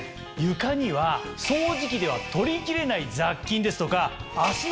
床には掃除機では取りきれない雑菌ですとか。